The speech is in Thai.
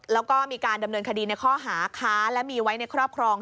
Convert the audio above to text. แล้วก็มีการดำเนินคดีในข้อหาค้าและมีไว้ในครอบครอง